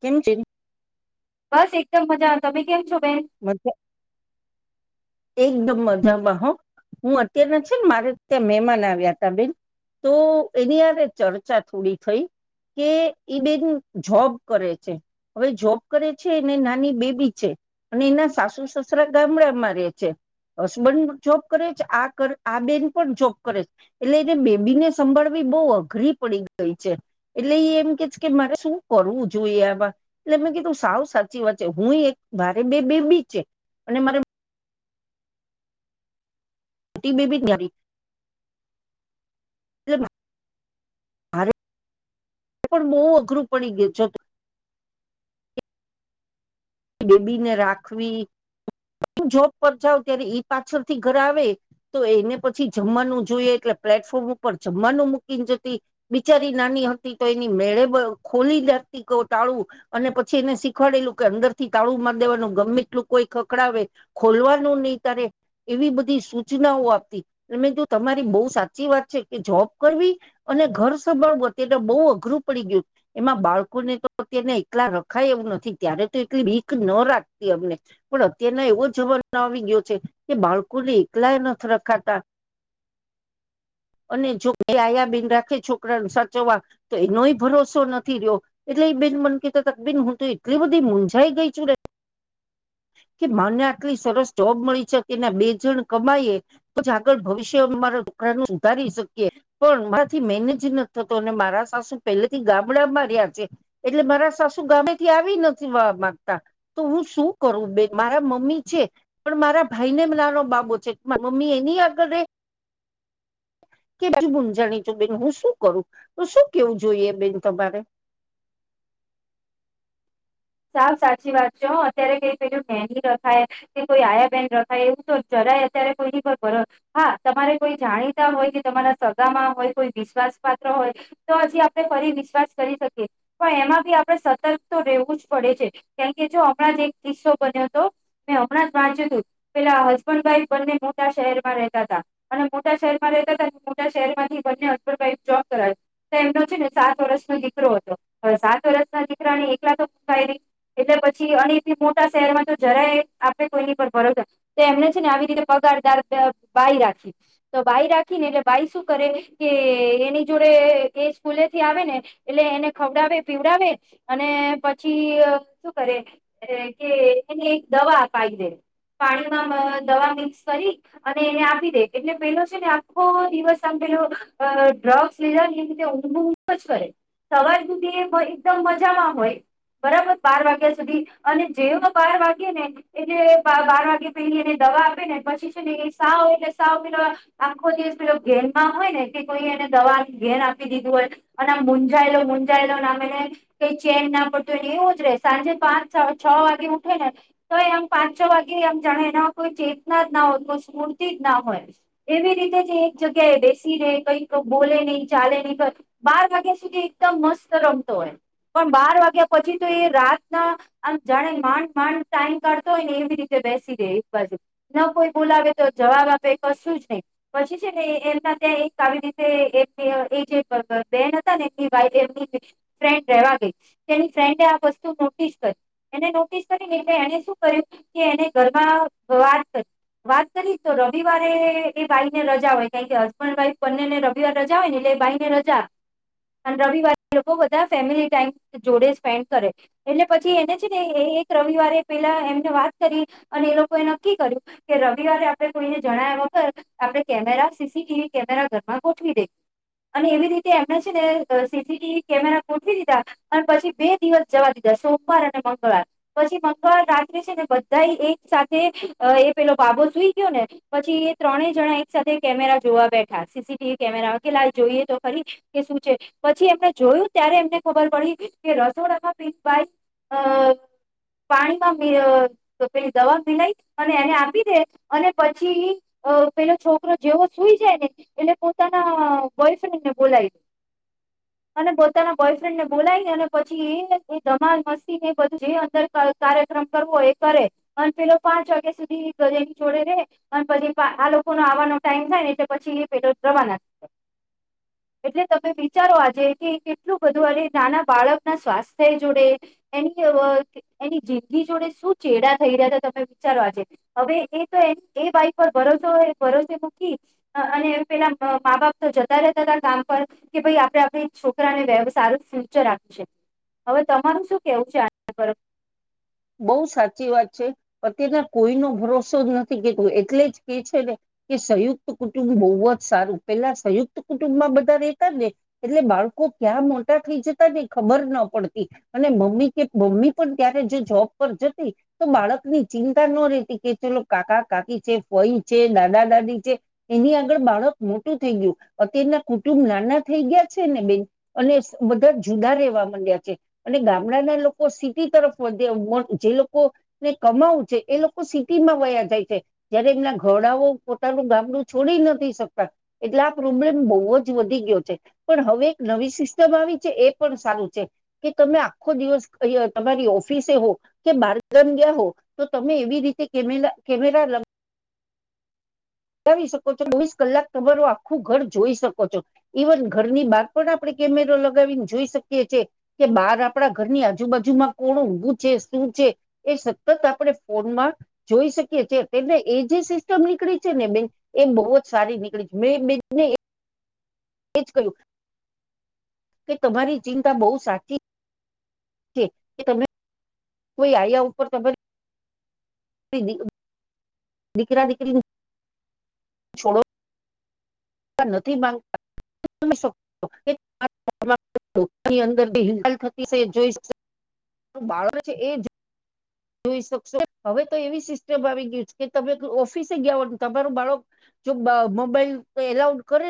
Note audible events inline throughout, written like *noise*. કેમ છે. બસ એકદમ મજા આવે તમે કેમ છો. બેન? *inaudible* એકદમ મજામાંહો હું અત્યારના છે ને મારે ત્યાં મહેમાન આવ્યા હતા બેન તો એની આરે ચર્ચા થોડી થઈ કે એ બેન જોબ કરે છે હવે જોબ કરે છે એને નાની બેબી છે અને એના સાસુ સસરા ગામડામાં રહેે છે. હસબન્ડ જોબ કરે છે આ કર આ બેન પણ જોબ કરે છે એટલે એને બેબી ને સંભળવી બહ અઘરી પડી ગઈ છે એટલે એ એમ કે કે મારે શું કરવું જોઈએ આવા એટલે મેં કીધું સાવ સાચી વાત છે હું એક મારે બે બેબી છે અને મારે ટટીબીબી તારી રે પણ બહ અઘરું પડી ગયું છે. બેબીને રાખવી હ જોબ પર જાાવ ત્યારે એ પાછળથી ઘર આવે તો એને પછી જમવાનું જોઈએ એટલે પ્લેટફોર્મ ઉપર જમવાનું મૂકીને જતી બિચારી નાની હતી તો એની મેળે ખોલી દખતી ટાળું અને પછી એને શીખવાડેલું કે અંદર તાળું માર દેવાનું ગમે એટલું કોઈ ખખડાવે ખોલવાનું નહી તારે એવી બધી સૂચનાઓ આપતી એ મે તમારી બહુ સાચી વાત છે કે જોબ કરવી અને ઘર સંભાળવું અત્યારે બહ અઘરું પડી ગયું એમાં બાળકોને તો અતને એકલા રખાય એવું નથી ત્યારે તો ીક ન રાખતી અમને પણ અત્યારના એવો જવાબ ન આવી ગયો છે કે બાળકોને એકલા નથી રખાતા અને જો મે આયા બેન રાખે છોકરાને સાચવવા તો એનો ભરોસો નથી રહ્યો એટલે એ બેન મને કેતા ત બેન હું તો એટલી બધી મઝ કે મને આટલી સરસ જોબ મળી છે કે એના બે જણ કમાય તો જ આગળ ભવિષ્ય મારા દોકરા ન સુધારી શકીએ પણ મારાથી મેનેજ નથી થતો અને મારા સાસુ પેલેથી ગામડામાં રહ્યા છે એટલે મારા સાસુ ગામડાથી આવી નથી. તો હું શું કરું બેન મારા મમ્મી છે પણ મારા ભાઈને નાનો બાબો છે મમ્મી એની આગળ કેું જાણીું બેન હું શું કરું તો શું કેવું જોઈએ બેન તમારે સાફ સાચી વાત છે અત્યારે કઈ પેલું બેની રખાય કે કોઈ આયા બેહેન રખાય એવું તો જરાય અત્યારે કોઈની પર હા તમારે કોઈ જાણીતા હોય કે તમારા સગામાં હોય કોઈ વિશ્વાસ પાત્ર હોય તો હજી આપણે ફરી વિશ્વાસ કરી શકીએ પણ એમાં બી આપડે સતર્ક તો રહેવું જ જો હમણાં જ એક કિસ્સો બન્યો હતો મેં હમણાં જ વાંચ્યું હતું પેલા હસબન્ડ વાઈફ બંને મોટા શહેરમાં રેતા હતા અને મોટા શહેરમાં રતા હતા મોટા શહેર માંથી બંને હસબન્ડ વાઈફ જોબ કરાવી તો એમનો છે ને સાત વર્ષનો દીકરો હતો હવે સાત વર્ષ ના દીકરાને એકલા તો એટલે પછી અને મોટા શહેરમાં તો જરાય આપે કોઈની પર ભરો તો એમને છે ને આવી રીતે પગારદાર બાઈ રાખી તો બાાય રાખી ને એટલે બાઈ શું કરે કે એની જોડે એ સ્કૂલેથી આવે ને એટલે એને ખવડાવે પીવડાવે અને પછી શું કરે કે એને એક દવા અાવી દે પાણીમાં દવા મિક્સ કરી અને એને આપી દે એટલે પેલો છે ને આખો દિવસ આમ પેલો ડ્રગ્સ લીધા ને તે ઊંઘુંઊઘ જ કરે સવાર બધ એકદમ મજામાં હોય બરાબર બાર વાગ્યા સુધી અને જેવ બાર વાગે ને એટલે બાર વાગ્યા પેલી એને દવા આપે ને પછી છે ને સાવ એટલે સાવ પેલો આખો દિવસ પેલો ઘેનમાં હોય ને કે કોઈ એને દવા ઘેન આપી દીધું હોય અને આ મુંંજાયે--લો મુંજાયેલોને આમ એને કઈ ચેન ના પડ તો એવું જ ર સાંજે પાંચ છ વાગે ઉઠે ને તો આમ પાંચ છ વાગે આમ જાણે એના કોઈ ચેતના જ ના હોય કોઈ સ્મૂર્તિ જ ના હોય એવી રીતે એક જગ્યા એ બેસીને કઈક બોલે નહી ચાલે નહી બાર વાગ્યા સુધી એકદમ મસ્ત રમતો હોય પણ બાર વાગ્યા પછી તો એ રાતના આમ જાણે માંડ માંડ ટાઈમ કાઢતો હોય ને એવી રીતે બેસી દે એક બાજુ ન કોઈ બોલાવે તો જવાબ આપે કશું જ નહી પછી છે ને એમના ત્યાં એક આવી રીતે એમ એ જે બેન હતા ને એમની વા એમની ફ્રેન્ડ રેવા ગઈ એની ફ્રેન્ડે આ વસ્તુ નોટિસ કરી એને નોટિસ કરીને એટલે એને શું કર્યું કે એને ઘરમાં વાત કરી વાત કરી તો રવિવારે એ ભાઈને રજા હોય કારણ કે હસબન્ડ વાઈફ બંનેને રવિવાર રજા હોય ને એટલે ભાઈને રજા અને રવિવારે લોકો બધા ફેમિલી ટાઈમ જોડે સ્પેન્ડ કરે એટલે પછી એને છે ને એ એક રવિવારે પેલા એમને વાત કરી અને એ લોકો એ નક્કી કર્યું કે રવિવારે આપણે કોઈને જણાવયા વગર આપણે કેમેરા સીસીટીવી કેમેરા ઘરમાં ગોઠવી દે અને એવી રીતે એમને છે ને સીસીટીવી કેમેરા ગોઠવી દીધા અને પછી બે દિવસ જવા દીધા સોમવાર અને મંગળવાર પછી મંગળવાર રાત્રે છે ને બધા એક સાથે એ પેલો બાબો સુઈ ગયો ને પછી એ ત્રણેય જણા એક સાથે કેમેરા જોવા બેઠા સીસીટીવી કેમેરા વકેલ આ જોઈએ તો ખરી કે શું છે પછી એમને જોયું ત્યારે એમને ખબર પડી કે રસોડામાં પીાઈ અ પાણીમાં પેલી દવા મિલાય અને એને આપી દે અને પછી પેલો છોકરો જેવો સુઈ જાય ને એટલે પોતાના બોયફ્રેન્ડને બોલાવી દે અને પોતાના બોયફ્રેન્ડને બોલાવી પછ ધમાલ મસ્તી એ બધું જે અંદર કાર્યક્રમ કરવો હોય એ કરે અને પેલો પાંચ વાગ્યા સુધીની જોડે રે અને પછી આ લોકો ન આવાનો ટાઈમ થાય ને એટલે પછી એ પેલો રવાના થ એટલે તમે વિચારો આજે કે કેટલું બધું નાના બાળકના સ્વાસ્થ્ય જોડે એની એની જિંદગી જોડે શું ચેડા થઈ રહ્યા હતા તમે વિચારો આજે હવે એ તો એ એ વાઈ પર ભરોસો ભરોસે મૂકી અને પેલા મા બાપ તો જતા રહેતા હતા કામ પર કે ભાઈ આપણે આપણી છોકરાને સારું ફ્યુચર આપ હવે તમારું શું કેવું છે બહુ સાચી વાત છે અત્યારના કોઈનો ભરોસો જ નથી કેતું એટલે જ કે છે ને કે સંયુક્ત કુટુંબ બહુ જ સારું પેલા સંયુક્ત કુટુંબમાં બધા રહેેતા ને એટલે બાળકો ક્યાં મોટા થઈ જતા ને ખબર ન પડતી અને મમ્મી કે મમ્મી પણ ત્યારે જો જોબ તો બાળકની ચિંતા ન રેતી કે ચલો કાકા કાકી છે ફઈ છે દાદા દાદી છે એની આગળ બાળક મોટું થઈ ગયું અત્યારના કુટુંબ નાના થઈ ગયા છે ને બેન અને બધા જુદા રહેવા માંડ્યા છે અને ગામડાના લોકો સિટી તરફ જે લોકોને કમાવું છે એ લોકો સિટીમાં વયા જાય છે જયારે એમના ઘડાઓ પોતાનું ગામડું છોડી નથી શકતા એટલે આ પ્રોબ્લેમ બહુ જ વધી ગયો છે પણ હવે એક નવી સિસ્ટમ આવી છે એ પણ સારું છે કે તમે આખો દિવસ તમારી ઓફિસે હો કે બાર ગામ ગયા હો તો તમે એવી રીતે કેમે કેમેરા લ ાવી શકો છો ચોવીસ કલાક તમારું આખું ઘર જોઈ શકો છો ઇવન ઘરની બાર પણ આપણે કેમેરો લગાવીને જોઈ શકીએ છેએ કે બાર આપણા ઘરની આજુબાજુમાં કોણ ઊભું છે શું છે એ સતત આપણે ફોનમાં જોઈ શકીએ છે તેમને એ જે સિસ્ટમ નીકળી છે ને બેન એ બહુ જ સારી નીકળી છે મેં બેનને *unintelligible* કે તમારી ચિંતા બહુ સાચી *inaudible* કોઈ આયા ઉપર તમેને *inaudible* દીકરા દીકરી *inaudible* *unintelligible* જોઈ શકો હવે તો એવી સિસ્ટમ આવી ગય છે કે તમે ઓફિસે ગયાવાનું તમારું બાળક જો મોબાઈલ એલાઉડ કરે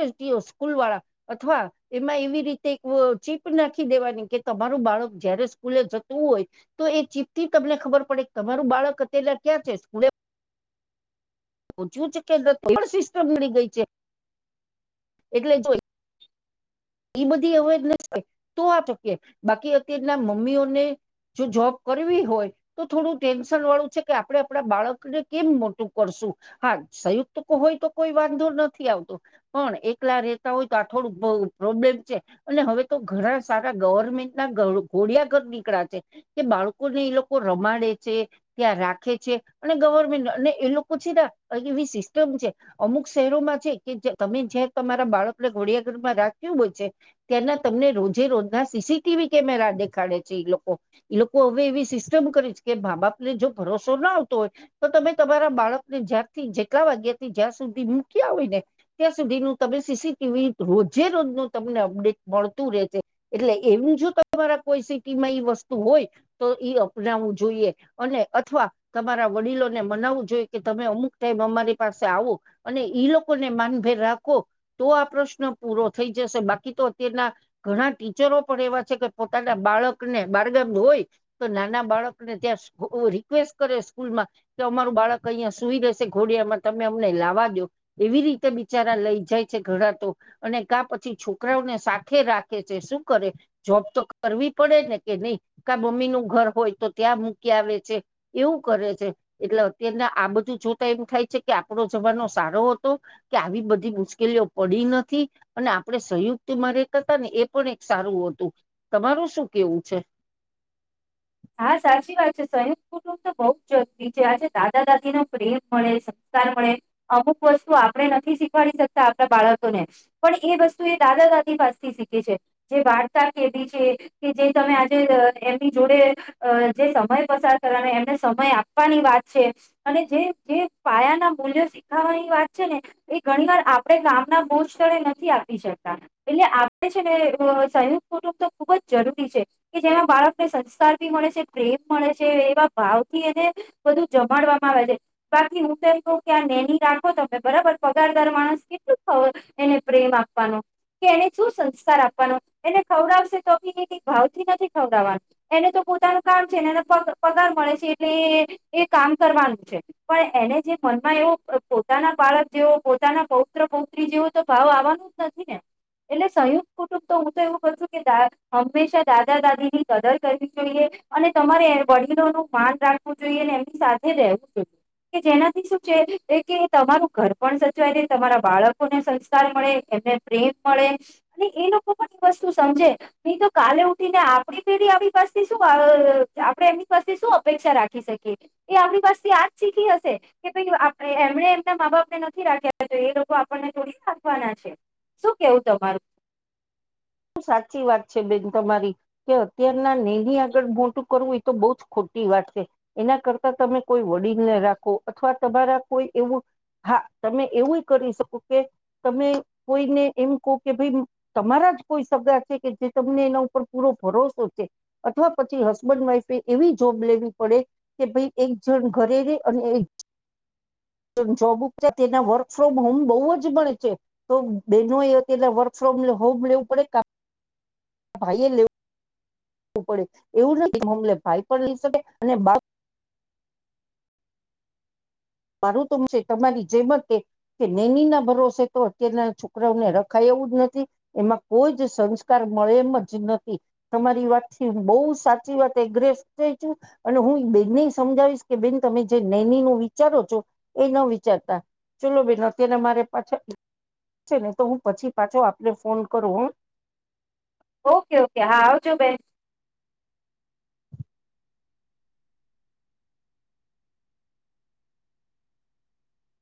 સ્કૂલ વાળા અથવા એમાં એવી રીતે એક ચીપ નાખી દેવાની કે તમારું બાળક જયારે સ્કૂલે જતું હોય તો એ ચીપ થી તમને ખબર ડ તમારું બાળક અલા ક્યાં છે સ્કૂલે પૂછું છે કે પણ સિસ્ટમ બની ગઈ છે એટલે જો એ બધી અવેર હો તો આ ચકી બાકી અત્યારના મમ્મીઓને જો જોબ કરવી હોય તો થોડું ટેન્શન વાળું છે કે આપડણે આપણા બાળકને કેમ મોટું કરશું હા સંયુક્ત હોય તો કોઈ વાંધો નથી આવતો પણ એકલા રહેતા હોય તો આ થોડુંક પ્રોબ્લેમ છે અને હવે તો ઘણા સારા ગવર્મેન્ટ ના ઘોડિયા ઘર નીકળ છે કે બાળકોને એ લોકો રમાડે છે ત્યાં રાખે છે અને ગવર્મેન્ટ અને એ લોકો છે ના એવી સિસ્ટમ છે અમુક શહેરોમાં છે કે તમે જ્યા તમારા બાળકને ઘોડિયા ઘરમાં રાખ ત્યાંના તમને રોજે રોજના સીસીટીવી કેમેરા દેખાડે છે લોકો લોકો હવે એવી સિસ્ટમ કરીે છે કે મા બાપ ને જો ભરોસો ના આવતો હોય તો તમે તમારા બાળકને જ્યાંથી જેટલા વાગ્યા થી જ્યાં સુધી મૂક્યા હોય ને ત્યાં સુધી ન તમે સીસીટીવી રોજ જે રોજ ન તમને અપડેટ મળતું રહેશે એટલે એમ જો તમારા કોઈ સિટીમાં ઈ વસ્તુ હોય તો એ અપનાવવું જોઈએ અને અથવા તમારા વડીલોને મનાવવું જોઈએ કે તમે અમુક ટાઈમ અમારી પાસે આવો અને ઈ લોકોને માનભેર રાખો તો આ પ્રશ્ન પૂરો થઈ જશે બાકી તો અત્યારના ઘણા ટીચરો પણ એવા છે કે પોતાના બાળકને બારગામ હોય તો નાના બાળકને ત્યાં રિક્વેસ્ટ કરે સ્કૂલમાં કે અમારું બાળક અહિયાં સુઈ દેશે ઘોડિયામાં તમે અમને લાવવા દો એવી રીતે બિચારા લઈ જાય છે ઘણા તો અને કા પછી છોકરાઓને સાથે રાખે છે શું કરે જોબ તો કરવી પડે ને કે નહી કા મમ્મી નું ઘર હોય તો ત્યાં મૂકી આવે છે એવું કરે છે એટલે અત્યારને આ બધું જોતા એવું થાય છે કે આપડો જમાનો સારો હતો કે આવી બધી મુશ્કેલીઓ પડી નથી અને આપણે સંયુક્ત મારે કરતા ને એ પણ એક સારું હતું તમારું શું કેવું છે. હા સાચી વાત છે સંયુક્ત કુટુંબ તો બહુ જ જરૂરી છે આજે દાદા દાદી નો પ્રેમ મળે સંસ્કાર મળે અમુક વસ્તુ આપણે નથી શીખવાડી શકતા આપણા બાળકોને પણ એ વસ્તુ એ દાદા દાદી પાસેથી શીખે છે જે વાર્તા કેવી છે કે જે તમે આજે એમની જોડે અ જે સમય પ કરવા એમને સમય આપવાની વાત છે અને જે પાયા ના મૂલ્યો શીખાવાની વાત છે ને એ ઘણી વાર આપણે કામના બોજ સ્થળે નથી આપી શકતા એટલે આપણે છે ને સંયુક્ત કુટુંબ તો ખુબ જ જરૂરી છે કે જેના બાળકને સંસ્કાર પ્ર મળે છે એવા ભાવથી એને બધુ જમાડવામાં આવે છે બાકી હું કે કું કે આ નેની રાખો તમે બરાબર પગારદાર માણસ કેટલું એને પ્રેમ આપવાનો કે એને શું સંસ્કાર આપવાનો એને ખવડાવશે તો આપી ક ભાવથી નથી ખવડાવવાનું એને તો પોતાનું કામ છે ને એને પગાર મળે છે એટલે એ કામ કરવાનું છે પણ એને જે મનમાં એવો પોતાના બાળક જેવો પોતાના પૌત્ર પૌત્રી જેવો તો ભાવ આવવાનું જ નથી ને એટલે સંયુક્ત કુટુંબ તો હું તો એવું ક છું કેા હંમેશા દાદા દાદી ની કદર કરવી ઈ અને તમારે વડીલોનુંું માન રાખવું જોઈએ અને એમની સાથે રહેવું જોઈએ કે જેનાથી શું છે કે તમારું ઘર પણ સચવાય દે તમારા બાળકોને સંસ્કાર મળે એમને પ્રેમ મળે અને એ લોકો પણ એ વસ્તુ સમજે નહી તો કાલે ઉઠીને આપડી પેઢી આવી પા શું આપણે એમની પાસે શું અપેક્ષા રાખી શકીએ એ આપણી પાસેથી આજ શીખી હશે કે ભ એમણે એમના મા બાપને નથી રાખ્યા તો એ લોકો આપણને થોડી નાખવાના છે શું કેવું તમારું. બ સાચી વાત છે બેન તમારી કે અત્યારના નેની આગળ મોટું કરવું એ તો બહ જ ખોટી વાત છે એના કરતા તમે કોઈ વડીલને રાખો અથવા તમારા કોઈ એવું હા તમે એવું કરી શકો કે તમે કોઈને એમ કહો કે ભાઈ તમારા જ જે તમને એના ઉપર પૂરો ભરોસો છે અથવા પછી હસબન્ડ વાઈફે એવી જોબ લેવી પડે કે ભાઈ એક જણ ઘરે ર અને જોબ ઉપ તેના વર્ક ફ્રોમ હોમ બહુ જ મળણે છે તો બહેનોએ તેના વર્ક ફ્રોમ હોમ લેવું *inaudible* ભાઈ એ લેવુ પડે એવું ન હમલે ભાઈ પણ લઈ શકે અને બા માારું તોમ છે તમારી જેમતે કે નૈની ના ભરોસે તો અત્યારના છોકરાઓને રખાય એવું જ નથી એમાં કોઈ જ સંસ્કાર મળે એમ જ નથી તમારી વાતથી હુ બહુ સાચી વાત એગ્રેસ છું અને હું બેને સમજાવીશ કે બેન તમે જે નૈની નુ વિ ચારો છો એ ના વિચારતા ચલો બેન અત્યારે મારે પાછા છે ને તો હું પછી પાછો આપને ફોન કરું હો ઓકે ઓકે હા આવજો બેન